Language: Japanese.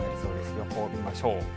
予報を見ましょう。